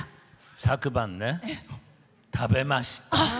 昨晩ね、食べました。